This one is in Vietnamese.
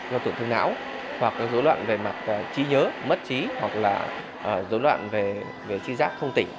do tổn thương não hoặc có dấu loạn về mặt trí nhớ mất trí hoặc là dấu loạn về trí giác không tỉnh